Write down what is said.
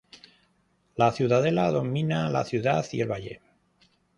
La Ciudadela domina la ciudad y el valle.